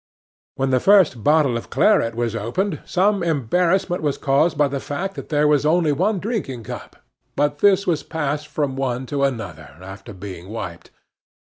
When the first bottle of claret was opened some embarrassment was caused by the fact that there was only one drinking cup, but this was passed from one to another, after being wiped.